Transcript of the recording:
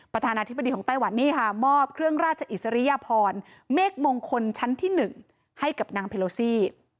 ประธานาธิบดีของไต้หวันนี่ค่ะมอบเครื่องราชอิสริยพรเมฆมงคลชั้นที่๑ให้กับนางเพโลซี่